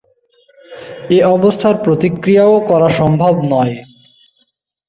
এ অবস্থার প্রতিকারও সম্ভব নয়।